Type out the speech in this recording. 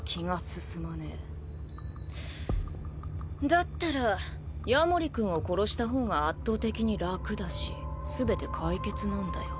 だったら夜守君を殺した方が圧倒的に楽だし全て解決なんだよ。